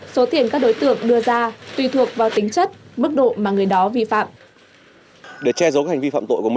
số tiền các đối tượng đưa ra tùy thuộc vào tính chất mức độ mà người đó vi phạm